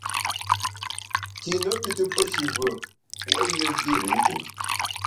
Kine tùtù pe shi vùe, puo’ yé vir i ntùm.